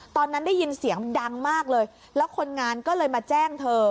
ตอนนั้นได้ยินเสียงดังมากเลยแล้วคนงานก็เลยมาแจ้งเธอ